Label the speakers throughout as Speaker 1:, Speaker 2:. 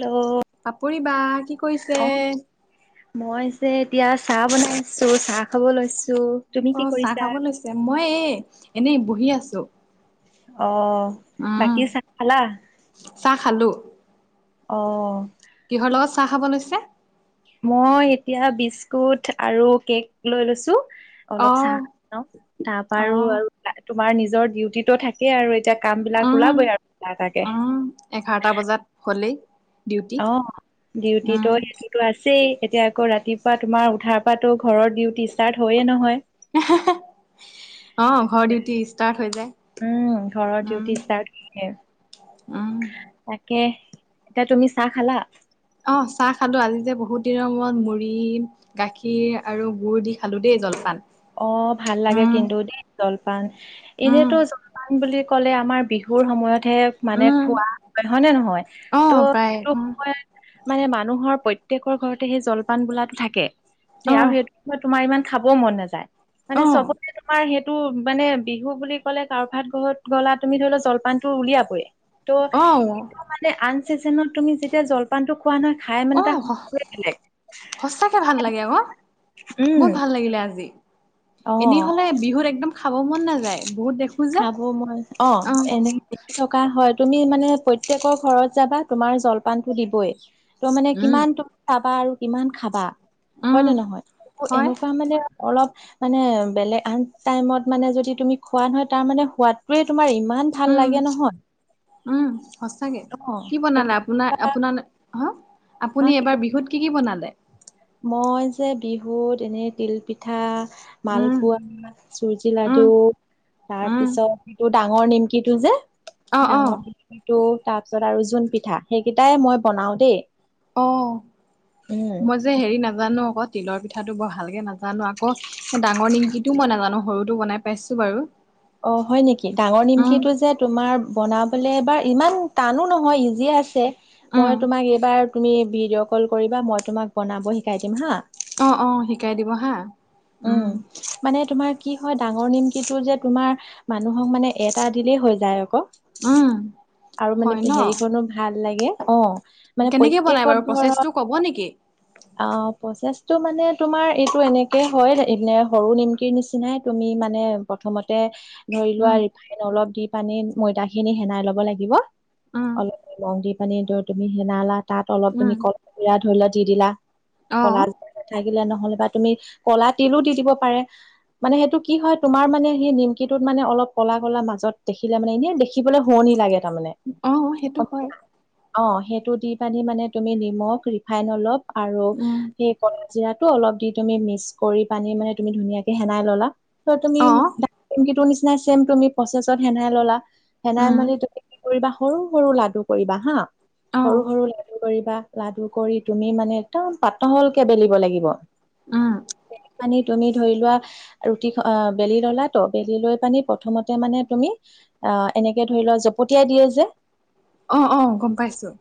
Speaker 1: Hello
Speaker 2: Papori বা কি কৰিছে?
Speaker 1: অ মই যে এতিয়া চাহ বনাইছো চাহ খাব লৈছ-
Speaker 2: অ চাহ খাব লৈছে, মই এ এনেই বহি আছো।
Speaker 1: অ
Speaker 2: উম
Speaker 1: বাকি চাহ খালা?
Speaker 2: চাহ খালো।
Speaker 1: অ।
Speaker 2: কিহৰ লগত চাহ খাব লৈছে?
Speaker 1: মই এতিয়া বিস্কুট আৰু কেক লৈ লৈছো। অলপ চাহ
Speaker 2: অহ
Speaker 1: খাও তাপা আৰু
Speaker 2: অহ
Speaker 1: তোমাৰ নিজৰ ডিউটিত থাকে আৰু এতিয়া। কাম বিলাক
Speaker 2: উম
Speaker 1: ওলাবই আৰু এটা এটাকে।
Speaker 2: উম এঘাৰটা বজাত হ'লেই ডিউটি।
Speaker 1: অ ডিউটি তো
Speaker 2: উম
Speaker 1: সেইটোত আছেই। এতিয়া আকৌ ৰাতিপুৱা তোমাৰ উঠাৰ পৰাতো ঘৰৰ ডিউটি ষ্টাৰ্ট হয়য়ে নহয়।
Speaker 2: অ ঘৰ ডিউটি ষ্টাৰ্ট হৈ যায়।
Speaker 1: উম ঘৰৰ
Speaker 2: উম
Speaker 1: ডিউটি ষ্টাৰ্ট [unintelligible]
Speaker 2: উম
Speaker 1: তাকে এতিয়া তুমি চাহ খালা?
Speaker 2: অ চাহ খালো আজি যে বহুত দিনৰ মূৰত মুড়ি গাখীৰ আৰু গুুৰ দি খালো দেই। জলপান।
Speaker 1: অ ভাল লাগে
Speaker 2: উম
Speaker 1: কিন্তু দেই জলপান,
Speaker 2: উম
Speaker 1: এনেতো জলপান বুলি ক'লে আমাৰ বিহুৰ সময়ত তে মানে
Speaker 2: উম
Speaker 1: খোৱা হয় হয় নে নহয়?
Speaker 2: অ
Speaker 1: ত'
Speaker 2: প্ৰায়
Speaker 1: সেইটো সময়ত মানে মানুহৰ প্ৰত্যেকৰ ঘৰতে সেই জলপান বোলাটো থাকে আৰু
Speaker 2: উম
Speaker 1: সেইটো তোমাৰ ইমান খাব মন নাযায় মানে
Speaker 2: অ
Speaker 1: চবতে তোমাৰ সেইটো মানে বিহু বুলি ক'লে কাৰোবা ঘৰত গলা, তুমি ধৰি লোৱা জলপানটো উলিয়াবই। ত'
Speaker 2: অ অ
Speaker 1: সেইটো টো মানে আন চিজনত তুমি যেতিয়া জলপানটো খো-
Speaker 2: অহ সচাকে ভাল লাগে আক।
Speaker 1: উম,
Speaker 2: বহুত ভাল লাগিলে আজি
Speaker 1: অ'।
Speaker 2: এনেই হলে বিহুত একদম। খাব মন নাযায় বহুত দেখো যে
Speaker 1: খাব মই অ এনে থকা হয়। তুমি মানে প্ৰত্যেকৰ ঘৰত যাবা তোমাৰ জলপানতো দিবই। তই মানে
Speaker 2: উম
Speaker 1: কিমান তম চাবা আৰু কিমান খাবা। হয়
Speaker 2: উম
Speaker 1: নে নহয়?
Speaker 2: হয়
Speaker 1: এনেকুৱা মানে অলপ, মানে বেলেগ আন টাইমত মানে যদি তুমি খোৱা নহয় তাৰ মানে সোৱাদটোয়ে তোমাৰ ইম- ইমান ভাল
Speaker 2: উম
Speaker 1: লাগে নহয়।
Speaker 2: উম সচাকে
Speaker 1: অ
Speaker 2: কি বনালা, আপোনাৰ
Speaker 1: এতিয়া
Speaker 2: আপোনাল হ। আপুনি
Speaker 1: কি
Speaker 2: এবাৰ বিহুত কি কি বনালে?
Speaker 1: মই যে বিহুত এনেই তিলপিঠা।
Speaker 2: উম
Speaker 1: মালপোৱা, চুজি
Speaker 2: উম
Speaker 1: লাডু
Speaker 2: উম
Speaker 1: তাৰপিছত সেইটো ডাঙৰ ডাঙৰ নিমকিটো যে
Speaker 2: অ অ
Speaker 1: ডাঙৰ নিমকিটো তাৰপিছত আৰু জোন পিঠা সেইকেইটাই মই বনাওঁ দেই।
Speaker 2: অ
Speaker 1: উম
Speaker 2: মই যে হেৰি নাজ- নাজানো আক তিলৰ পিঠাটো বৰ ভালকে নাজানো আক ডাঙৰ নিমকিটো মই নাজানো সৰুটো বনাই পাইছোঁ। বাৰু।
Speaker 1: অ হয় নেকি ডাঙৰ
Speaker 2: উম
Speaker 1: নিমকিটো যে তোমাৰ বনা বলে এবাৰ ইমান টানো নহয় ইজিয়ে আছে।
Speaker 2: উম
Speaker 1: মই তোমাক এইবাৰ তুমি ভিডিঅ' কল কৰিবা মই তোমাক বনাব শিকাই দিম হা।
Speaker 2: অ অ শিকাই দিব হা।
Speaker 1: উম মানে তোমাৰ কি হয় ডাঙৰ নিমকটো যে তোমাৰ মানুহক মানে এটা দিলেই হৈ যায় আক।
Speaker 2: উম,
Speaker 1: আৰু মানে
Speaker 2: হয় ন?
Speaker 1: হেৰিখনো ভাল লাগে অ। মানে
Speaker 2: কেনেকে বনাই
Speaker 1: প্ৰত্যেক‌
Speaker 2: বাৰু প্ৰচেছটো
Speaker 1: ঘৰত
Speaker 2: ক'ব নেকি?
Speaker 1: অ প্ৰচে- টো মানে তোমাৰ এইটো এনেক তে হয় এনে সৰু নিমকিৰ নিচিনাই তুমি মানে প্ৰথমতে ধৰি লোৱা
Speaker 2: উম,
Speaker 1: ৰিফাইনত। অলপ দি পানীত ময়দা খিনি সেনাই ল'ব লাগিব।
Speaker 2: উম,
Speaker 1: অলপ লং দি পানী তুমি সেনালা। তাত অলপ তুমি
Speaker 2: উম,
Speaker 1: কলা যিৰা ধৰি লোৱা দি দিলা, কলা
Speaker 2: অ',
Speaker 1: জিৰা নাথাকিলে নহ'লে বা তুমি, কলা তিলো দি দিব পাৰে। মানে সেইটো কি হয় তোমাৰ মানে সেই নিমকিটোত মানে অলপ কলা কলা মাজত দেখিলে মানে এনে দেখিবলৈ শুৱনি লাগে তাৰমানে।
Speaker 2: অ সেইটো হয়।
Speaker 1: অ সেইটো দি পানি মানে তুমি নিমখ ৰিফাইন অলপ আৰু
Speaker 2: উম,
Speaker 1: সেই কলা জিৰাটো অলপ তুমি মিক্স কৰি পানী মানে তুমি ধুনীয়াকে সেনাই ললা ত তুমি
Speaker 2: অ',
Speaker 1: নিমকিটোৰ নিছ- ছেম তুমি প্ৰচেছত সেনাই ললা সেনাই
Speaker 2: উম,
Speaker 1: মেলি তুমি কৰিবা সৰু সৰু লাডু কৰিবা হা। সৰু
Speaker 2: অ',
Speaker 1: সৰু লাডু কৰিবা লাডু কৰি তুমি মানে একদম পাতলকে বেলিব লাগিব।
Speaker 2: উম।
Speaker 1: বেলি পানি তুমি ধৰি লোৱা ৰুটি বেলি ললা ত বেলি লৈ পানি প্ৰথমতে মানে তুম- যি আ এনেকে ধৰি লোৱা জপতিয়াই দিয়ে যে।
Speaker 2: অ', অ', গম পাইছোঁ।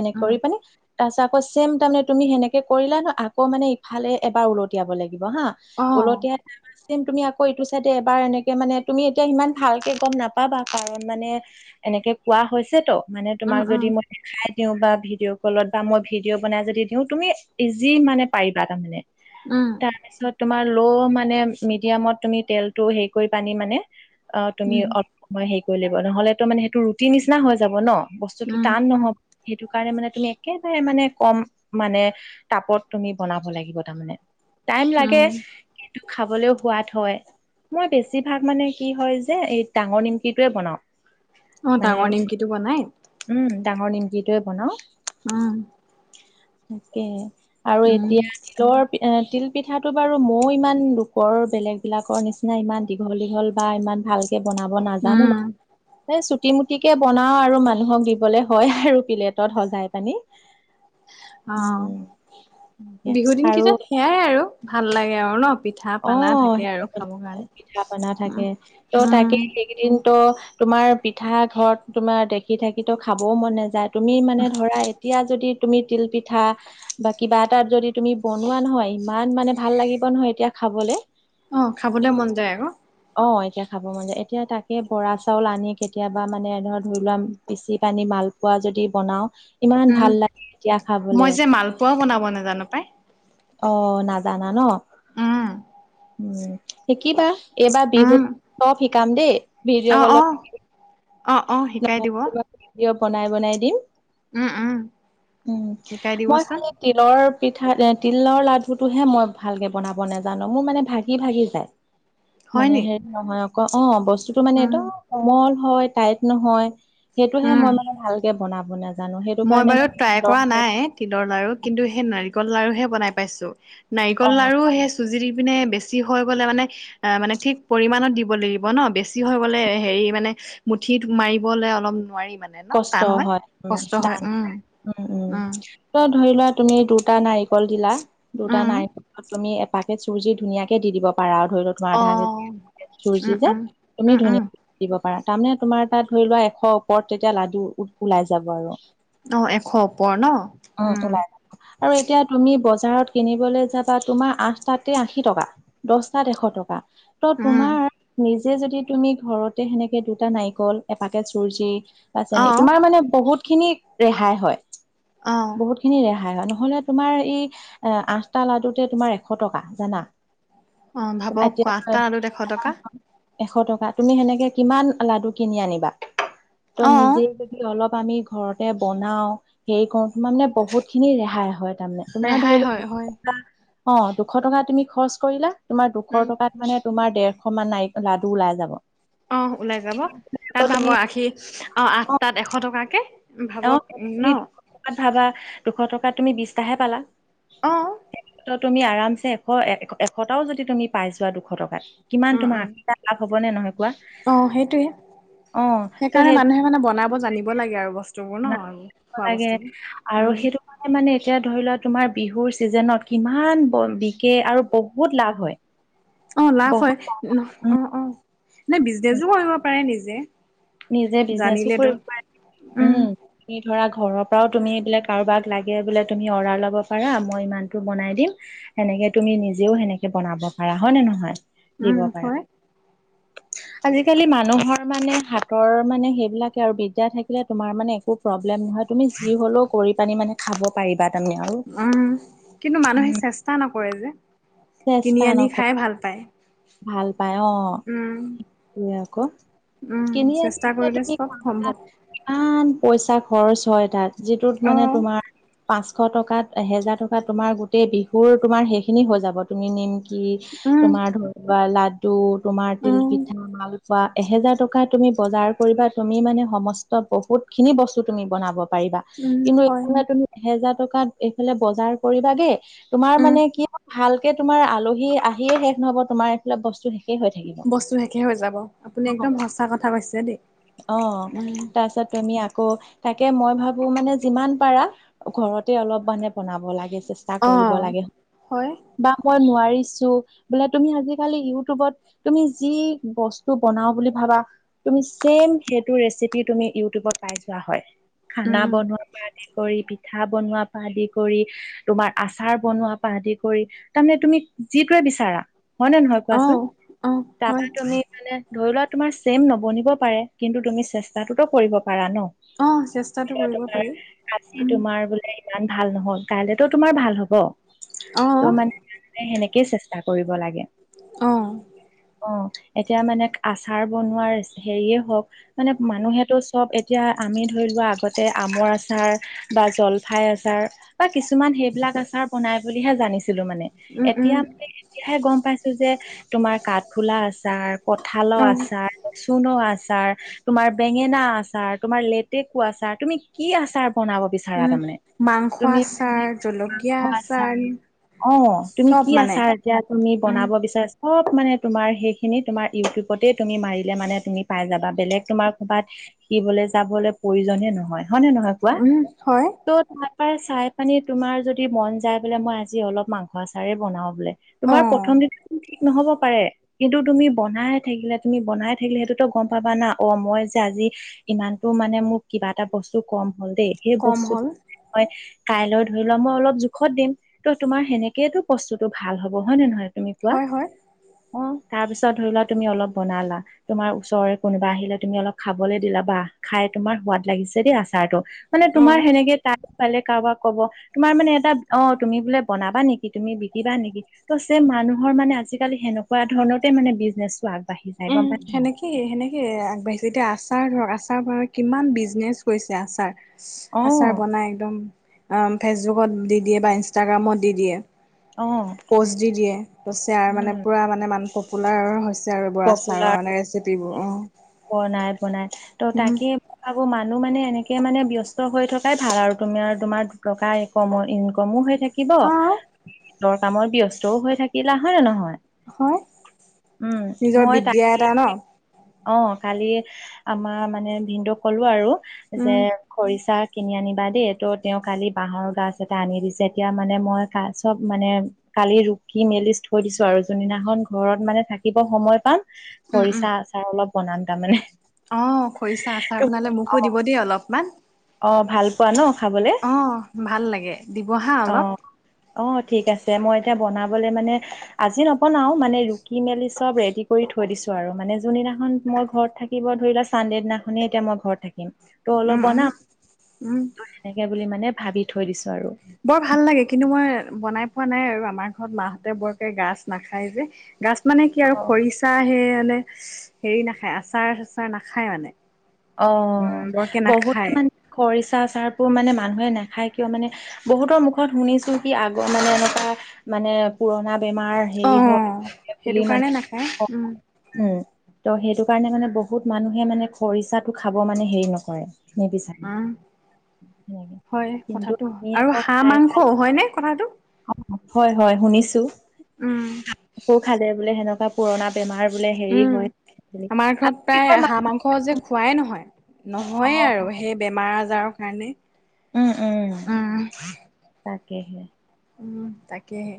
Speaker 1: এনে
Speaker 2: উম,
Speaker 1: কৰি পেনে তাৰ পাছত আকৌ ছেম তাৰমানে তুমি সেনেকে কৰিলা ন আকৌ মানে ইফালে এবাৰ উলটিয়াবো লাগ- লাগিব হা
Speaker 2: অ',
Speaker 1: উলতিয়াই তাৰ পাছ- তুমি আকৌ এইটো চাইডে এবাৰ এনেকে মানে তুমি এতিয়া ইমান ভালকে গম নাপাবা কাৰণ মানে এনেকে কোৱা হৈছে ত মানে
Speaker 2: উম,
Speaker 1: তোমাক
Speaker 2: উম,
Speaker 1: যদি মই দেখাই দিওঁ বা ভিডিঅ' কলত বা মই ভিডিঅ' বনাই যদি দিওঁ তুমি ইজি মানে পাৰিবা তাৰমানে।
Speaker 2: উম,
Speaker 1: তাৰপিছত তোমাৰ ল' মানে মিডিয়ামত তুমি তেলটো হেৰি কৰি পানি মানে অ তুমি
Speaker 2: উম,
Speaker 1: অলপ সময় হেৰি কৰি লাগিব নহলে তো মানে সেইটো ৰুটি নিচিনা হৈ যাব ন। বস্তুটো
Speaker 2: উম,
Speaker 1: টান নহ'ব সেইটো কাৰণে মানে তুমি একেবাৰে মানে কম মানে তাপত তুমি বনাব লাগিব তাৰমানে। টাইম লাগে
Speaker 2: উম,
Speaker 1: কিন্তু খাবলৈও সোৱাদ হয়। মই বেছিভাগ মানে কি হয় যে, এই ডাঙৰ নিমকিটোৱে বনাও।
Speaker 2: অ
Speaker 1: মানে
Speaker 2: ডাঙৰ নিমকিটো বনাই।
Speaker 1: উম ডাঙৰ নিমকিটোয়ে বনাও।
Speaker 2: উম।
Speaker 1: [inaudible] তাকে আৰু
Speaker 2: উম,
Speaker 1: এতিয়া তিলৰ তিল পিঠাটো বাৰু মইও ইমান দুখৰ বে- বেলেগ বিলাকৰ নিচিনা ইমান দীঘল দীঘল বা ইমান ভালকে। বনাব নাজানো
Speaker 2: উম,
Speaker 1: বাও, চুটি মুটিকে বনাও আৰু মানে মানুহক দিবলে হয় আৰু প্লেটত সজাই পানি।
Speaker 2: অ
Speaker 1: উম
Speaker 2: বিহু দিন
Speaker 1: আৰু
Speaker 2: কেইটাত সেয়াই আৰু ভাল লাগে আৰু ন। পিঠা
Speaker 1: অ
Speaker 2: পানা থাকে আৰু খাবৰ কাৰণে।
Speaker 1: পিঠা পনা থাকে
Speaker 2: উম,
Speaker 1: ত তাকে
Speaker 2: উম।
Speaker 1: সেইকেইদিন ত তোমাৰ পিঠা ঘৰত তোমাৰ দেখি থাকি ত খাবও মন নাযায়। তুমি মানে ধৰা এতিয়া যদি তুমি তিলপিঠা বা কিবা এটা যদি তুমি বনোৱা নহয় ইমান মানে ভাল লাগিব নহয় এতিয়া। খাবলে।
Speaker 2: অ খাবলৈ মন যায় আক।
Speaker 1: অ এতিয়া খাব মন যায়, এতিয়া তাকে বৰা চাউল আনি কেতিয়াবা মানে ধ ধৰি লোৱা পিচি পানি মাল উদ পোৱা যদি বনাও। ইমান
Speaker 2: উম,
Speaker 1: ভাল লাগে এতিয়া
Speaker 2: মই
Speaker 1: খাবলে।
Speaker 2: যে মালপোৱাও বনাব নাজানো পাই।
Speaker 1: অ নাজানা ন।
Speaker 2: উম।
Speaker 1: উম শিকিবা এইবাৰ
Speaker 2: উম,
Speaker 1: বিহুত অলপ শিকাম দেই ভিডিঅ'
Speaker 2: অ',
Speaker 1: কলত।
Speaker 2: অ', অ', অ', শিকাই দিব।
Speaker 1: [unintelligible] বনাই বনাই। দিম
Speaker 2: উম, উম,
Speaker 1: ওম
Speaker 2: শিকাই
Speaker 1: মই
Speaker 2: দিবচোন।
Speaker 1: খালি তিলৰ পিঠা তি- তিলৰ লাডুটোহে মই ভালকে বনাব নাজানো। মোৰ মানে ভাগি ভাগি যায়।
Speaker 2: হয়
Speaker 1: মানে
Speaker 2: নি?
Speaker 1: হেৰি নহয় অক অ বস্তুটো মানে
Speaker 2: উম,
Speaker 1: একদম কোমল হয়। টাইট নহয়। সেইটোহে
Speaker 2: উম,
Speaker 1: মই মানে ভালকে বনাব নাজ-
Speaker 2: মই বাৰু ট্ৰাই কৰা নাই তিলৰ লাৰু, কিন্তু সেই নাৰিকল লাৰুহে বনাই পাইছো।
Speaker 1: অ
Speaker 2: নাৰিকল লাৰু সে চুজি দি পিনে বেছি হৈ গলে মানে এ মানে ঠিক পৰিমাণত দিব লাগিব ন। বেছি হৈ গলে হেৰি মানে মুঠিত মাৰিবলে অলপ নোৱাৰি মানে ন টান হয়।
Speaker 1: উম
Speaker 2: কষ্ট হয়।
Speaker 1: ডাঙ
Speaker 2: উম,
Speaker 1: উম উম। ক'ত? ধৰি লোৱা তুমি দুটা নাৰিকল দিলা দুটা
Speaker 2: উম
Speaker 1: নাৰিকলত তুমি এট- পাকেট চুৰজি ধুনীয়াকে দি দিব পাৰা। ধৰি ল তোমাৰ
Speaker 2: অ
Speaker 1: আধা কেজি চুৰজি
Speaker 2: উম
Speaker 1: যে
Speaker 2: উম
Speaker 1: তুমি
Speaker 2: উম উম
Speaker 1: ধুনীয়াকে দিব পাৰা। তামানে তোমাৰ তাত ধৰি লোৱা এশ ওপৰত তেতিয়া লাডু ওলাই যাব আৰু।
Speaker 2: অ এশ ওপৰ ন
Speaker 1: অ
Speaker 2: উম
Speaker 1: ওলাই যাব আৰু এতিয়া তুমি বজাৰত। কিনিবলৈ যাবা তোমাৰ আঠটাতে আশী টকা। দশ টাত এশ টকা। ত
Speaker 2: উম
Speaker 1: তোমাৰ নিজ যদি তুমি ঘৰতে সেনেকে দুটা নাৰিকল, এপাকেট চুৰ্জি বা
Speaker 2: অ
Speaker 1: চেনী, তোমাৰ মানে বহুত খিনি ৰেহাই হয়।
Speaker 2: অ
Speaker 1: বহুত খিনি ৰেহাই হয় নহলে তোমাৰ এই এ আঠটা লাডুতে তোমাৰ এশ টকা। জানা?
Speaker 2: অ ভাবক ক
Speaker 1: এতিয়া
Speaker 2: আঠটা আলুত এশ টকা।
Speaker 1: এশ টকা। তুমি সেনেকে কিমান লাডু কিনি আনিবা? ত
Speaker 2: অ
Speaker 1: নিজে যদি অলপ পানি ঘৰতে বনাও হেৰি কৰো তোমাৰ মানে বহুত খিনি ৰেহাই হয়। তামানে। তোমাৰ ধৰি
Speaker 2: ৰেহাই
Speaker 1: ল
Speaker 2: হয়
Speaker 1: দুশ
Speaker 2: হয়
Speaker 1: টকা। অ দুশ টকা তুমি খৰচ কৰিলা। তোমাৰ দুশ
Speaker 2: উম
Speaker 1: টকাত মানে তোমাৰ ডেৰশ মান নাই লাডু ওলাই যাব।
Speaker 2: অ ওলাই যাব তাত
Speaker 1: আকৌ তুমি
Speaker 2: ভাবা আশি অ আঠ তাত এশ টকাকে।
Speaker 1: অ
Speaker 2: ভাবক ন।
Speaker 1: তুমি দুশ টকাত ভাবা দুশ টকাত তুমি বিশটাহে পালা?
Speaker 2: অ।
Speaker 1: তুমি আৰামছে এশ এশটাও যদি তুমি পাই যোৱা দুশ টকাত, কিমান
Speaker 2: উম
Speaker 1: তোমাৰ
Speaker 2: উম
Speaker 1: আশীটা লাভ হ'ব। নে নহয় কোৱা
Speaker 2: অ সেইটোৱে
Speaker 1: অ' ত'
Speaker 2: সেইকাৰণে
Speaker 1: সেইবিলাক
Speaker 2: মানুহে মানে বনাব জানিব লাগে আৰু বস্ত-
Speaker 1: লাগে আৰু
Speaker 2: উম
Speaker 1: সেইটো কাৰণে মানে এতিয়া ধৰি লোৱা তোমাৰ বিহুৰ ছিজনত কিমান বিকে আৰু বহুত লাভ হয়।
Speaker 2: অ লাভ হয়,
Speaker 1: বহুত উম
Speaker 2: অ অ নে বিজনেজো কৰিব পাৰে নিজে।
Speaker 1: নিজে বিজনেচো
Speaker 2: জানিলেতো।
Speaker 1: কৰিব পাৰে। উম তুমি ধৰা ঘৰৰ পৰাও তুমি এইবিলাক কাৰোবাক লাগে বোলে তুমি অৰ্ডাৰ ল'ব পাৰা। মই ইমানটো বনাই দিম। সেনেক- কে তুমি নিজেও সেনেকে বনাব পাৰা হয় নে নহয়? দিব
Speaker 2: উম
Speaker 1: পাৰা
Speaker 2: হয়।
Speaker 1: আজিকালি মানুহৰ মানে হাত তৰ মানে সেইবিলাকে আৰু বিদ্যা থাকিলে তোমাৰ মানে একো প্ৰব্লেম নহয়। তুমি যি হ'লেও কৰি পানি মানে খাব পাৰিবা। তাৰমানে আৰু
Speaker 2: উম। কিন্তু মানুহে চেষ্টা নকৰে যে, কিনি
Speaker 1: চেষ্টা
Speaker 2: আনি
Speaker 1: নকৰি
Speaker 2: খাই ভাল পায়।
Speaker 1: ভাল।
Speaker 2: উম।
Speaker 1: এতিয়া আক
Speaker 2: উম।
Speaker 1: কিনি আনি
Speaker 2: চেষ্টা
Speaker 1: এতিয়া
Speaker 2: কৰিলে
Speaker 1: [unintelligible]
Speaker 2: চব সম্ভৱ।
Speaker 1: কিমান পইচা খৰচ হয় তাত। যিটোত মানে
Speaker 2: অহ
Speaker 1: তোমাৰ পাঁচশ টকাত এহেজাৰ টকা তোমাৰ গোটেই বিহুৰ তোমাৰ সেইখিনি হৈ যাব। তুমি নিম কি
Speaker 2: উম,
Speaker 1: তোমাৰ ধৰ লাডু তোমাৰ তিল
Speaker 2: উম,
Speaker 1: পিঠা, মালপোৱা এহেজাৰ টকা তুমি বজাৰ কৰিবা। তুমি মানে সমস্ত বহুত খিনি বস্তু তুমি বনাব- পাৰিবা,
Speaker 2: উম
Speaker 1: কিন্তু
Speaker 2: হয়,
Speaker 1: এইফালে তুমি এহেজাৰ টকাত এইফালে বজাৰ কৰিবাগে। তোমাৰ
Speaker 2: উম।
Speaker 1: মানে কি ভালকে তোমাৰ আলহী আহিয়ে শেষ নহব তোমাৰ এইফালে বস্তু শেষ।
Speaker 2: বস্তু শেষে হৈ যাব, আপুনি
Speaker 1: অ
Speaker 2: একদম সঁচা কথা কৈছে দেই।
Speaker 1: অ
Speaker 2: উম,
Speaker 1: তাৰপিছত তুমি আকৌ তাকে মই ভাবো মানে যিমান পাৰা ঘৰতে অলপ মানে বনাব লাগে। চেষ্টা কৰিব
Speaker 2: অ',
Speaker 1: লাগে
Speaker 2: হয়,
Speaker 1: বা মই নোৱাৰিছ- ছো বোলে তুমি আজিকালি ইউটিউবত তুমি যি বস্তু বনাও বুলি ভাবা তুমি ছেম সেইটো ৰেচিপি তুমি ইউটিউবত পাই যোৱা হয়। খানা
Speaker 2: উম,
Speaker 1: বনোৱাৰ পৰা আদি কৰি পিঠা বনোৱাৰ পৰা আদি কৰি তোমাৰ আচাৰ বনোৱা পা আদি কৰি তাৰমানে তুমি যিটোৱে বিচাৰা হয় নে নহয় কোৱাচোন?
Speaker 2: অ', অ',
Speaker 1: তাৰপা
Speaker 2: হয়।
Speaker 1: তুমি মানে ধৰি লোৱা তোমাৰ ছেম নবনিব- পাৰে কিন্তু তুমি চেষ্টাটোতো কৰিব পাৰা ন।
Speaker 2: অ',
Speaker 1: ধৰি
Speaker 2: চেষ্টাটো
Speaker 1: লোৱা
Speaker 2: কৰিব
Speaker 1: তোমাৰ
Speaker 2: পাৰি,
Speaker 1: আজি
Speaker 2: উ।
Speaker 1: তোমাৰ বোলে ইমান ভাল নহল কাইলেতো তোমাৰ ভাল হ'ব। ত'
Speaker 2: অ',
Speaker 1: মানে সেনেকেই চেষ্টা কৰিব লাগে।
Speaker 2: অ'।
Speaker 1: অ এতিয়া মানে আচাৰ বনোৱাৰ ৰেছ- সেইয়ে হওক মানে মানুহেটো চব এতিয়া আমি ধৰি লোৱা আগতে আমৰ আচাৰ বা জ- জলফাই আচাৰ বা কিছুমান সেইবিলাক আচাৰ বনাই বুলিহে জানিছ- ছিলো মানে
Speaker 2: উম, উম,
Speaker 1: এতিয়া মানে এতিয়াহে গম পাইছো যে তোমাৰ কাঠফুলা আচাৰ, কঠালৰ
Speaker 2: অ'।
Speaker 1: আচাৰ। চুন আচাৰ, তোমাৰ বেঙেনা আচাৰ, তোমাৰ লেতেকু আচাৰ তুমি কি আচাৰ বনাব বিচাৰা
Speaker 2: উম,
Speaker 1: তাৰমানে
Speaker 2: মাংস
Speaker 1: তুমি মানে
Speaker 2: আচাৰ, জলকীয়া
Speaker 1: মাংস আচাৰ অ তুমি
Speaker 2: চব
Speaker 1: কি
Speaker 2: মানে।
Speaker 1: আচাৰ এতিয়া তুমি
Speaker 2: উম,
Speaker 1: বনাব বিচাছ- সব মানে তোমাৰ সেইখিনি তোমাৰ ইউটিউবতে তুমি মাৰি লে মানে তুমি পাই যাবা বেলেগ তোমাৰ কবাত শিকিবলৈ যাবলৈ প্ৰয়োজনে নহয়। হয়নে নহয় কোৱা?
Speaker 2: উম, হয়
Speaker 1: ত' ত- তাৰ চাই পানী তোমাৰ যদি মন যায় বোলে মই আজি অলপ মাংস আচাৰে বনাওঁ বোলে। তোমাৰ
Speaker 2: অ',
Speaker 1: প্ৰথম দিনা ঠিক নহব পাৰে কিন্তু তুমি বনাই থাকিলে তুমি বনাই থাকিলে সেইটোতো গম পাবা না। অ মই যে আজি ইমানতো মানে মোক কিবা এটা বস্তু কম হল দেই সেই
Speaker 2: কম
Speaker 1: বস্তুটো
Speaker 2: হ'ল
Speaker 1: মই কাইলৈ ধৰি লোৱা মই অলপ জোখত দিম, ত' তোমাৰ সেনেকেটো বস্তুটো ভাল হব হয় নে নহয়? তুমি কোৱা
Speaker 2: হয় হয়।
Speaker 1: অ তাৰ পিছত ধৰি লোৱা তুমি অলপ বনালা। তোমাৰ ওচৰৰে কোনোবা আহিলে তুমি অলপ খাবলৈ দিলা বা খাই তোমাৰ সোৱাদ লাগিছে দেই আচাৰটো। মানে তোমাৰ
Speaker 2: অ',
Speaker 1: সেনেকে তা- পালে কাৰোবাক কব তোমাৰ মানে এটা অ তুমি বোলে বনাবা নেকি? তুমি বিকিবা নেকি? ত চেম মানুহৰ মানে আজিকালি সেনেকুৱা ধৰণতে মানে বিজনেছো আগবাঢ়ি যায় গম পাই?
Speaker 2: সে সেনেকে আগবাঢ়িছে এতিয়া আচাৰ ধৰক আচাৰ বাবে কিমান বিজনেচ কৰিছে আচাৰ।
Speaker 1: অ
Speaker 2: আচাৰ বনাই একদম ফেচবুকত দি দিয়ে বা ইনষ্টাগ্ৰামত দি দিয়ে।
Speaker 1: অ
Speaker 2: পষ্ট দি দিয়ে পছে আৰু মানে
Speaker 1: উম
Speaker 2: পুৰা মানে মান পপুলাৰ হৈছে। আৰু বৰ আচাৰৰ
Speaker 1: পপুলাৰ
Speaker 2: মানে ৰেচিপিবোৰ অ।
Speaker 1: বনাই বনাই ত'
Speaker 2: উম,
Speaker 1: তাকে প্ৰভাৱ মানুহ মানে এনেকে মানে ব্যস্ত হৈ থকাই ভাল আৰু তুমি আৰু তোমাৰ দুটকা কমৰ ইনকমো হৈ থাকিব।
Speaker 2: অ',
Speaker 1: তুমি নিজৰ কামত ব্যস্তও হৈ থাকিলা হয় নে নহয়?
Speaker 2: হয়
Speaker 1: উম
Speaker 2: নিজৰ
Speaker 1: মই
Speaker 2: বিদ্যা
Speaker 1: তাকে
Speaker 2: এটা ন'
Speaker 1: অ কালি আমাৰ মানে ভিনদু কলো আৰু যে
Speaker 2: উম,
Speaker 1: খৰিচাত কিনি আনিবা দেই ত' তেওঁ কালি বাঁহৰ গাছ এটা আনি দিছে, এতিয়া মানে মই কা চব মানে কালি ৰুকি মেলি থৈ দিছো আৰু যোনদিনাখন ঘৰত মানে থাকিব সময় পাম।
Speaker 2: উম, উম।
Speaker 1: খৰিচা আচাৰ অলপ বনাম তাৰমানে
Speaker 2: অ খৰিচা আচাৰ বনালে মোকো দিব দেই অলপমান।
Speaker 1: অ ভাল পোৱা ন। খাবলে?
Speaker 2: অহ ভাল লাগে দিব হা
Speaker 1: অ'।
Speaker 2: অলপ।
Speaker 1: অ ঠিক আছে মই এতিয়া বনাবলে মানে, আজি নবনাও মানে ৰুকি মেলি চব ৰেডি কৰি থ থৈ দিছোঁ আৰু মানে যোনদিনাখন মই ঘৰত থাকিব ধৰি লোৱা চান্দে দিনাখনেই এতিয়া মই ঘৰত থাক- ত অলপ
Speaker 2: উম, উম,
Speaker 1: বনাম
Speaker 2: উম।
Speaker 1: ত সেনেকে বুলি মানে ভাবি থৈ দিছো আৰু
Speaker 2: বৰ ভাল লাগে। কিন্তু মই বনাই পোৱা নাই আৰু আমাৰ ঘৰত মাহঁতে বৰকে গাজ নাখায় যে গছ মানে কি আৰু
Speaker 1: অ
Speaker 2: খৰিচা আহে এনে হেৰি নাখায়, আচাৰ চাচাৰ নাখায় মানে।
Speaker 1: অ
Speaker 2: উম, বৰকে
Speaker 1: বহুতে
Speaker 2: নাখায়
Speaker 1: মানে খৰিচা চাৰবোৰ মানে মানুহে নাখ- নাখাই কিয় মানে বহুতৰ মুখত শুনিছো কি আগৰ মানে এনেকুৱা মানে পুৰণা বেমাৰ সেই হয়
Speaker 2: অ',
Speaker 1: বুলি
Speaker 2: সেইটো
Speaker 1: মানে
Speaker 2: কাৰণে নাখায় উম,
Speaker 1: উম ত সেইটো কাৰণে মানে বহুত মানুহে মানে খৰিচাটো খাব মানে হেৰি নকৰে নিবিচাৰে।
Speaker 2: উম।
Speaker 1: সেনেকে
Speaker 2: হয়
Speaker 1: কিন্তু
Speaker 2: কথাটো
Speaker 1: আমি আকৌ
Speaker 2: আৰু হাঁহ
Speaker 1: খাই ভাল
Speaker 2: মাংস হয় নে কথাটো।
Speaker 1: হয় হয় শুনিছো।
Speaker 2: উম,
Speaker 1: আকৌ খালে বোলে সেনেকুৱা পুৰণা বেমাৰ বোলে হেৰি
Speaker 2: উম
Speaker 1: হয় বুলি
Speaker 2: আমাৰ ঘৰত প্ৰায়
Speaker 1: আগৰ
Speaker 2: হাঁহ
Speaker 1: মানুহ-
Speaker 2: মাংস যে খোৱাই নহয়।
Speaker 1: অ
Speaker 2: নহয়ে আৰু সেই বেমাৰ আজাৰৰ কাৰণে।
Speaker 1: উম উম তাকে হে।
Speaker 2: উম তাকেহে।